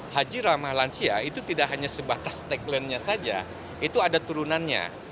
haji ramah lansia itu tidak hanya sebatas tagline nya saja itu ada turunannya